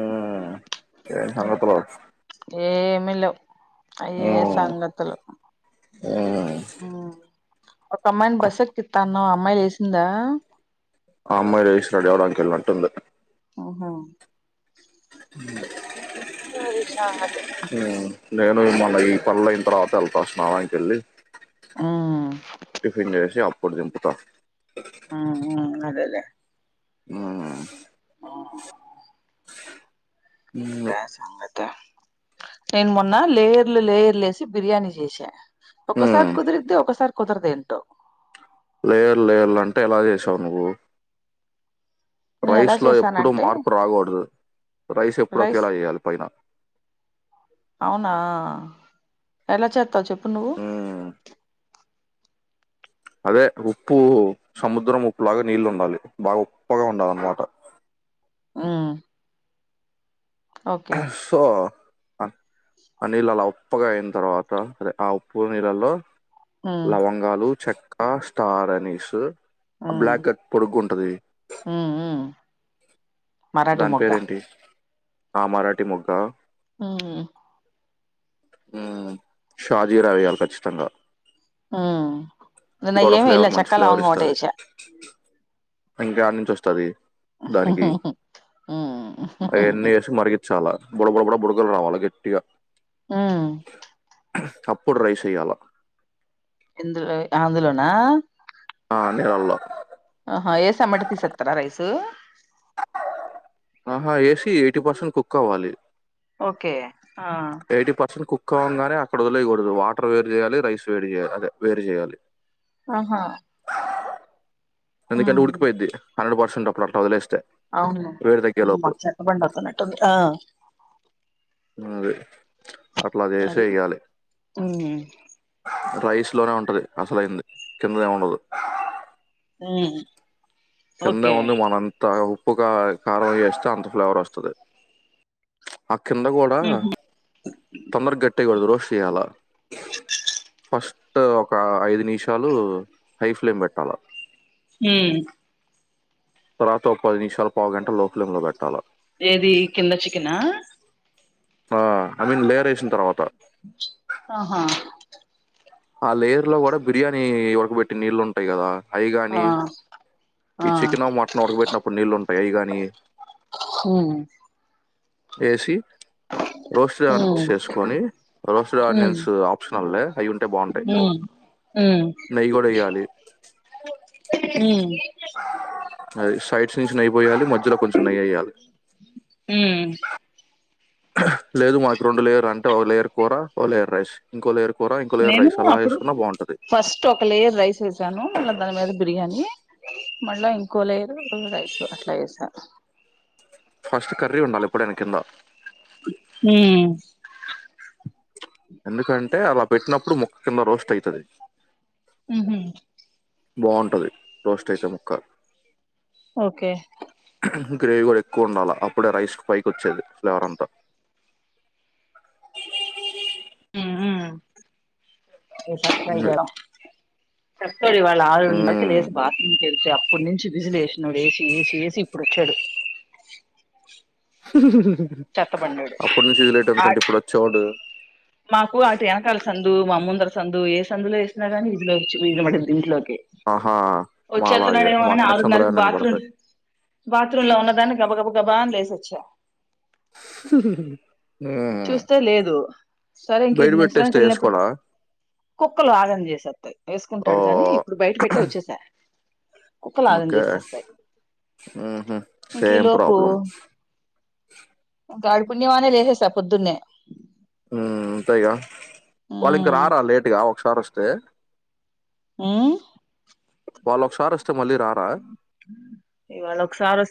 ఆ ఏం సంగతులు మీలో అయ్యే ఉమ్, ఉమ్. సంగతులు ఒక అమ్మాయిని బస్ ఎక్కిత్తన్నావ్ అమ్మాయి లేసిందా ఆ ఆమ్మాయి లేషి రెడీ అవ్వడానికేల్లింటుంది ఆ అ దస ఉ నేను మల్ల ఈ పనుళయిన తర్వాత వెళ్తా స్నానానికి వెళ్ళి ఉమ్ టిఫన్ జేషి అప్పుడు దింపుత అ ఆ ఆ ఉమ్, డాన్స్ సంగత నేను మొన్న లేయర్లు లేయర్లు యేసి బిర్యానీ చేసా ఒక్కసారి ఉమ్. కుదురిద్ది ఒకసారి కుదరది అట్ట లేయర్ లేయర్లు అంటే ఎలా జేసావు నువ్వు నేను ఎలా రైస్ లో ఎప్పుడూ చేశానంటే మార్పు రాకూడదు రైస్ ఎప్పుడొకేల జేయాలి పైన అవునా ఎలా చెత్తావ్ అవును ఉమ్, అదే ఉప్పు సముద్రం ఉప్పులాగా నీళ్ళు ఉండాలి బాగా ఉప్పగా ఉండాల అన్నమాట ఆ సో ఆ నీళ్ళు అలా ఉప్పుగా అయిన తర్వాత అరే ఆ ఉప్పు నీళ్ళలో ఉమ్ లవంగాలు చ ఆ స్టార అనేస్ ఆ ఉమ్ బ్లాక్ గట్ పొడుగు ఉంటది ఉమ్ ఉమ్ మరాఠీ దాని మొగ్గ పేరేంటి ఆ మరాఠ ముగ్గా ఆ షాజీరావేయాలి ఖచ్చితంగా మ్ ఇక ఒక ఫ్లేవర్ మంచి ఫ్లేవర్ ఇస్తుది ఇంకా యాడ్ నుంచి వస్తది దానికి అవన్నీ వేసి మరికి చాలా బొడ బొడ బడ బుడగలు రావాలి గట్టిగా మ్ అప్పుడు ర్రైస్ ఏయ్యాల ఇందులో అందులోనా ఆ నేరాలో ఆహా ఏస అమాట తీసత్తారా రైసు ఆహా ఏసి ఎటీ పసెంట్ కుక్కవళి ఒకే ఎటీ పార్సెల్తు కు ఎక్కువంగానే అక్కడ వదిలేయకూడదు వాటర్ వేరు చేయాలి రైస్ వేరు చేయాలి అదే వేరు చేయాలి అహా ఎందుకంటె ఉడ్కుపోయిద్ది హండ్రడ్ పర్సెంట్ అప్పుడు అంత వదిలేసి అవును మా చెత్త బండి వత్తున్నట్టుంది ఆ మాది అట్లా చేసే అది ఇయాలి ఉమ్ ప్రైస్ లోనే ఉంటది అసలయింది కింద ఎం ఉండదు హ్మ్! కింద వుంది మనంతావ్. ఉప్పుగా కారం ఏస్తే అంత ఫ్లేవర్ వస్తది. ఆ కింద కూడా ఉహు తొందర గట్టయ్యకూడదు రోస్ట్ చేయ్యాల. ఫస్ట్ ఒక ఐదు నిషాలు హై ఫ్లేమ్ పెట్టాల. హ్మ్! తర్వాత ఒక పది నిమిషాలు పావు గంట లో ప్లేమ్ లో పెట్టాల. ఏది కింద చికెనా? ఆ ఐ మీన్ లేయర్ ఏసింతర్వాత. ఆహా! ఆ లేయర్‌ లో కూడా బిర్యానీ ఉడకబెట్టి నీళ్లు ఉంటాయి గదా? ఆ అయిగాని, ఈ ఆ చికెనో మటనో ఉడకబెట్టినప్పుడు నీళ్ళు ఉంటాయి అయిగాని! ఉమ్ A C. Roasted um onions చేసుకొని, రోస్టెడ్ ఆనియన్స్ ఆప్షన్నలే. హ్మ్! హ్మ్! నెయ్యి కూడా వేయాలి హ్మ్! అది సైడ్స్ నుంచి నెయి పోయాలి, మధ్యలో కొంచెం నెయ్యి ఎయ్యాలి. ఉమ్ లేదు, మాకు రెండు లేయర్‌ అంటే ఓ లేయర్ కూర, ఓ లేయర్ రైస్. ఇంకో లేయర్‌ నేను అప్పుడు ఫస్ట్ ఒక లేయర్ రైస్ ఏసాను మళ్ళా దాని మీద బిర్యానీ. మళ్ళా ఇంకోలేయరు, రైస్ అట్లా వేసా. ఫస్ట్ కర్రీ ఉండాల ఎప్పుడైన కిందా. ఉమ్ ఎందుకంటే అ వ బెట్. పుట్టినప్పుడు ముఖ్యంగా కింద రోస్ట్ అయితాది. [unintelligible] బాగుంటది రోస్ట్ వేసే ముక్క. ఓ. కే. గ్రేవీ కూడా ఎక్కువ ఉండాల, అప్పుడే రైస్ పైకి వచ్చేది ఫ్లేవర్ అంతా. హ్మ్! హూ! పక్కా! ఇవ్వాల ఆరున్నరకి మ్మ్. లేచి బాత్రూమ్ కె ల్ అప్పుడు నుంచి విజిలు ఏసినాడు ఏసి ఏసి ఏ సి ఇప్పుడు వచ్చాడు. హు హూ హ్! చెత్తబండోడు అప్పటి నుంచి [unintelligible] ఆ కంటే ఇప్పుడు వచ్చేవాడు. మాకు అటు వెనకాల సందు, మా ముందర సందు ఏ సందులో వేసినా గానీ విజిల్ వచ్చి వినపడిద్ది ఇంట్లోకి. ఆహా మా వచ్చేత్తనాడ అలాగే మా ఏమోనని, కనెక్షన్ లాగా ఆరున్నరకు నేను బాత్రూమ్, పడతాయి బాత్రూమ్ లో ఉన్నదాన్ని గబ గబ. గబాన్ లే సోచ్చా. [inaudible] మ్మ్. చూస్తే లేదు సరే ఇంక బయట నించడానికి పెట్టేస్తే వెళ్ళినప్పుడు వేసుకోడా కుక్కలు ఆగం చేసేస్తాయి ఓ వేసుకుంటాడు గాని ఇప్పుడు బయట పెట్టే వచ్చేసా కుక్కలు ఆగం ఓకే చేసిస్తాయి ఊహూ. ఇంక ఈ సేమ్ లోపు ప్రాబ్లం. ఇంకా ఆడిపుణ్యమా అని లేసేస న్నే హు అంతైగా వాళ్ళు ఇంక ఉమ్ రారా లేటుగా ఒకసారోస్ స్తే మ్మ్ వాళ్ళొక సారోస్ స్తె మల్లి రాారా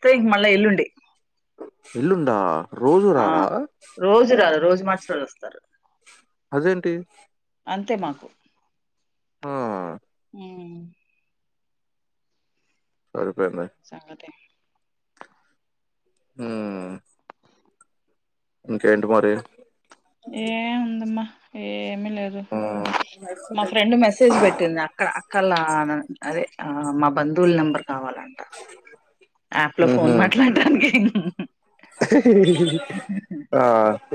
స్తే ఇంక మళ్ళ ఎల్లుండి ఎలుండా ఆ రోజు రారు రోజు మార్చి రోజు వస్తారు అదేంటి? అం తే మాకు ఆ ఉమ్ సరే సంగతే హమ్ ఇంకేంటి మరి ఎమ్ ఉందమ్మా ఎం మీ లేదు హ్మ్. మా ఫ్రెండ్ మెసేజ్ పెట్టింది అక్కడ అక్కల్ల ఆమె అదే మా బందుల్ నంబర్ కావాలంట యాప్ లో ఫోన్ హుహు. మాట్లాడ్డనికి ఆ [inaudible] ఆ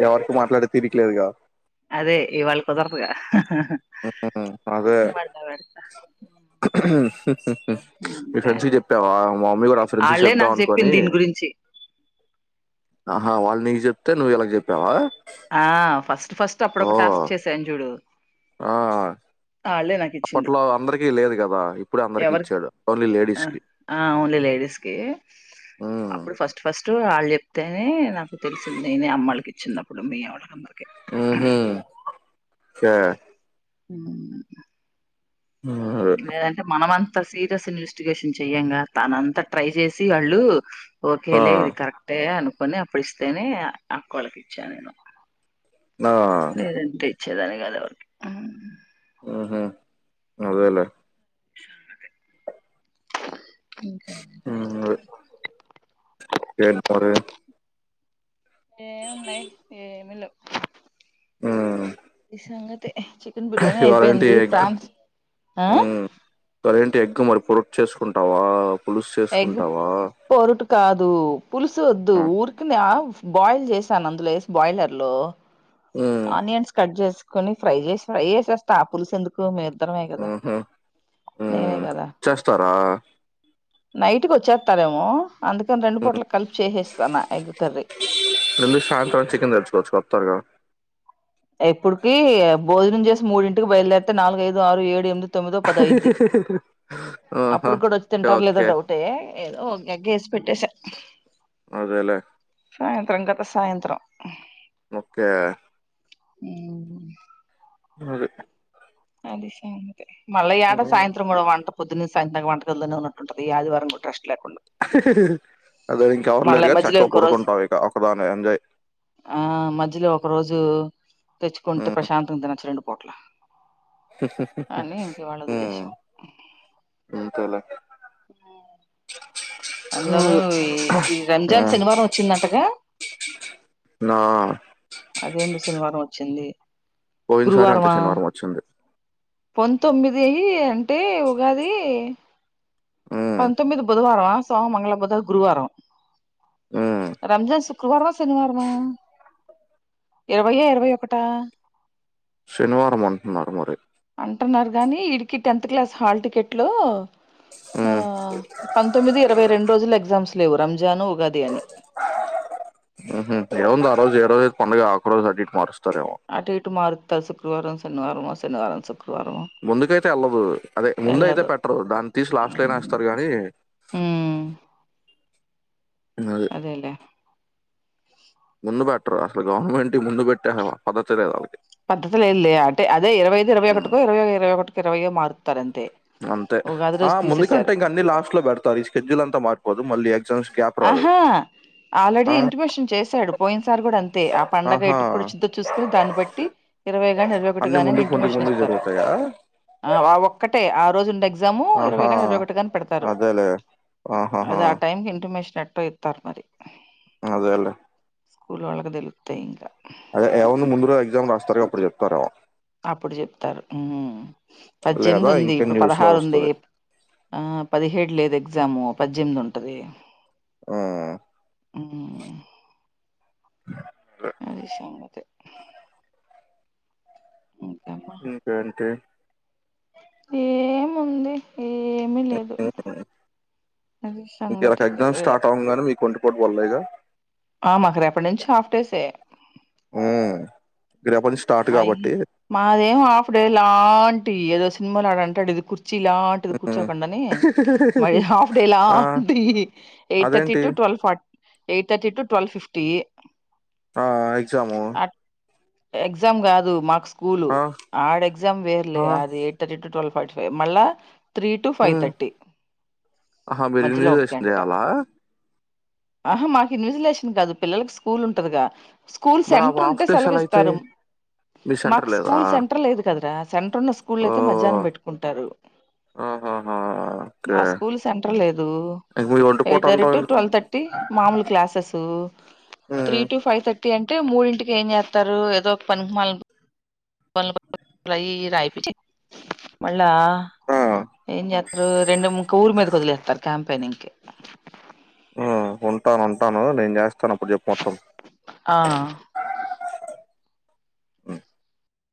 ఎవరిత్ మాట్లాడ్ తిరికలేదుగా అదే ఇవాళ కుదర్దూగా అదే పెడతా మీ ఇంకా ఫ్రెండ్స్కి చెప్పావ మా మమ్మీ కూడా ఆ ఫ్రెండ్స్ వాళ్ళే చెప్దాం నాకు చెప్పింది అనుకొని దీని గురించి ఆహా వాళ్ళ నీకు చెప్ తె నువ్వు ఇళ్ళక్ చెప్పావా ఆ ఫస్ట్ ఫస్ట్ అప్పుడోక టాస్క్ చేసాం చుడు ఆ ఇచ్చింది అప్పట్లో అందరికిీ లేదు కదా ఇప్పుడే అందరికిీ ఎవరికి ఇచ్చాడు ఓన్లీ ఆ లేడీస్ కి ఆ ఓన్లీ లేడీస్ హు త్తు ఆళ్ళు చెప్తేనే నాకు తెలిసింది నేనే అమ్మలకిచ్చిం దప్ ప్పుడు మీ ఆవిడ నంబర్ మ్ హు స హు మ్మ్. లేదంటే మనమం అంత సీరియస్ ఇన్వెస్టిగేషన్ చెయ్యంగా తనంతా ట్రై చేసి వాళ్ళు ఆ. ఓకేలే ఇది కరక్టే అను కొని అప్పుడు ఇస్తేనే అక్క వాళ్ళకి ఇచ్చా నేను ఆ చేదా కదావ మ్ హు అదేలే ఇంకా అదే ఏడున్నూరు ఏమున్నాయి ఏమి లెవ్ ఆ సంగతి చికెన్ బిర్యానీ ఏంటి అయిపోయింది ఎగ్ ప్రాన్స్ ఆ అరేంటి ఎగ్ మరి పొరట్ చేసుకుంటావా పులుసు ఎగ చేసుకుంటావా పొరు టకాదు పులుసు వద్దు మ్మ్. ఊరికినా బాయిల్ చేసాను అందులో వ బాయిలర్ లో ఆనియన్స్ కట్జెస్ కని ఫ్రై చేసి ఫ్రై చేసేస్తట ఆపుల్స్ ఎందుకు మీరు ఆ చేస్తారా నైట్కి వచ్చేస్తారేమో అందుకని రెండు మ్మ్. పూట్లు కలిపి చేసేస్తాను ఎగ్ కర్రీ ఎందుకు సాయంత్రం చికెన్ తెచ్చుకోవచ్చు కొత్తగా ఎప్పుడుకి భోజనం చేసి మూడింటికి బయలుదేరితే నాలుగుఐదు ఆరు ఏడు ఎనిమిది తొమ్మిదో పదైది ఆహా అప్పుడు కూడా వచ్చి తింటారు లేదా ఓకే డౌటే ఏదో ఒక ఎగ్కేసి పెట్టేస అదేలే సాయంత్రం గత సాయంత్రం ఓకే అడీ అది స మల్లయాడ సాయంత్ర ఉడవమంటు పోదున్నే సాయంత్రం దాకా వంట గదిలోనే ఉన్నంటండది ఈయాదివరంగ ట్రస్టలో ఉ అదే ఇంకెవర్లేరుగా మధ్యలో చక్కవ ఇంకో రోజు పడుకుంటావు ఇక ఒకదాని ఎంజాయ్ ఆ మధ్యలో ఒక రోజు తెచ్చుకుంటే ప్రశాంతంగా తినచునేను హోటెల్ వదిలేసా మ్ అంతలే [inaudible] అందులోనూ ఈ ఈ రంజాన్ ఉమ్ శనివారం వచ్చిందటగా నా అదేందో శనివారం వచ్చింది పోయిన సారి అంతే శనివారం వచ్చింది పంతొమ్మిదీ అంటే ఉగాది ఉమ్ పంతొమ్మిది బుధవారమా సోమ మంగళ బుధ గురువారం ఉమ్ రంజాన్ శుక్రవారమా శనివారమా ఇరవైయ ఇరవై ఒకటా శనివారం అంటున్నారు మరి అంటన్నారు కానీ ఇడికి టెన్త్ క్లాస్ హాల్ టికెట్ లో ఆ ఉమ్ పంతొమ్మిది ఇరవై రెండు రోజులు ఎగ్జామ్స్ లేవు రంజాన్ ఉగాది అని ఉ హు.. ఏముంది ఆ రోజు ఏ రోజు పండుగ ఆ ఒక రోజు అటో ఇటో మార్చు అటు ఇటు మారు శుక్రవారం శనివారమ శనివారం స ముందుకైతే ఎళ్లదు అదే ముందు అయితే వెళ్ళదు పెట్టరు దాన్ని తీసి లాస్ట్ ఉమ్ అయినా ఏస్తారు గాని ఉమ్, అదేలే ముందు పెట్టరు అసలు గవర్నమెంట్ ముందు పెట్టే అసలు పద్ధతే లేదు వాళ్ళకి పద్ధతి లేదులే ఉమ్ ఇరవైయే మారుత్తరాని అంతే ఉగాది ఆ రోజు ముందుకంటే తీసేసారు ఇంక అన్ని లాస్ట్ లో పెడతారు ఈ స్కెడ్యూల్ అంతా మారిపోదు మళ్ళీ ఎగ్జామ్స్ గ్యాప్ రాదు ఆహా ఆల్రెడీ ఆ ఇంటిమేషన్ చేశాడు పోయిన సార్ కూడా అంతే ఆ పండగ ఆహా ఇటుప్పుడు వచ్చద్ద చూసుకుని దాన్ని బట్టి ఇరవై గాని ఇరవై ఒకటి అన్ని గాని అని ముందుకు ముందుకు ఇంటిమేషన్ ముందుకు ఇస్తారు జరుగుతాయా ఆ ఆ ఒక్కటే ఆ రోజూ ఇండెక్స్ ఎగ్జాము ఇరవై ఆహా ఇరవై ఒకటి ని పెడతారు అదేలే ఆహాహా అది ఆ టైం కి ఇంటిమేష్ చెట్టో ఇత్తారు మరి అదేలే స్కూల్ వాళ్ళకి తెలుత్తాయి ఇంగ అదే ఎవన్నా ముందుర ఎగ్జామ్ రాస్తారో అప్పుడు చెప్తారామో అప్పుడు జెప్తారు పజ్జెనిమిది లేదా ఉంది ఇంకే ఇప్పుడు న్యూస్ లో పదహారు ఉంది వస్తది ఆ పదిహేడు లేదు ఎగ్జాము పజ్జెనిమిది ఉంటది ఆ ఉ.. అది సంగతే ఇంకమ్మా ఇంకా ఎంటీ ఏముంది ఏమిీ లేదు ఉమ్. అది సంగతి రే కోట్ బోల్లే గ ఆ మాకు రేపటి నుంచి హాఫ్ డేసే ఊ.. మయి మాదెం హాఫ్ డే లాన్ టిది ఏదో సినిమాలా ఆడంటడు ఏదొ కుర్ చి లాంటిది ఉమ్. కూర్చోకండనీ, మది హాఫ్ డే ఆ లాంటిది. ఎయిట్ థర్టీ అదేంటి to twelve for eight thirty to twelve fifty. ఆ ఎగ్జాము ఎగ్జామ్ కాదు మార్క్స్ స్కూలు ఆ, ఆడ్ ఎగ్జామ్ వేర్లే ఆ, అది eight thirty to twelve. Forty five మళ్ళా త్రీ టు ఫైవ్ మ్మ్ థర్టీ ఆహా మీర్ మధ్యలో ఒక ఇన్విజిలేషన్ గంట చేయాల? ఆహా మాకు ఇన్విసిలేషన్ కాదు పిల్లలకి స్కూల్ ఉంటదిగా! స్కూల్ మరి ఆ సెంటర్ హాఫ్ ఉంటే డేస్ ఎలా అవుతాయి సెలవిస్తారు. మీ మాకు సెంటర్ లేదా స్కూల్ సెంటర్ లేదు కదరా! సెంటర్ ఉన్న స్కూల్లయితే ఓ మధ్యానం పెట్టుకుంటారు. ఆహాహా! ఓకే. మా స్కూల్ సెంటర్ లేదు. ఇంక మీ ఒంటి పూట ఎయిట్ థర్టీ అంటావెందుకు? ట్వల్ థర్టీ మామూలు క్లాసెస్ త్రీ హ్మ్. టు ఫైవ్ థర్ టె అంటే మూడింటికి ఏం చేత్తారు? ఏదో పనికిమాలిన్ రై రాయ్పిచ్చి మళ్ళా, ఆ! ఏం చేత్తరు రెండు ముక్ ఊరి మీదకొదిలేత్తారు క్యాంపెనింగ్కి. ఉ ఉంటాన్ ఉంటాను. నేను జెస్ తనప్పుడు చెప్పు మొత్తం. ఆ హ్మ్.